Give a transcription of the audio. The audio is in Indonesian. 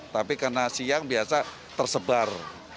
tapi karena siang biasa tersebar